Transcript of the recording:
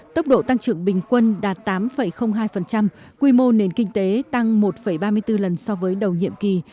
tốc độ tăng trưởng bình quân đạt tám hai quy mô nền kinh tế tăng một ba mươi bốn lần so với đầu nhiệm kỳ